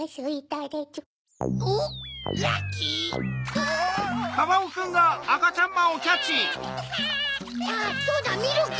あっそうだミルク！